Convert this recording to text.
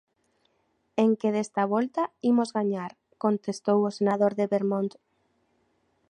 "En que desta volta imos gañar", contestou o senador de Vermont.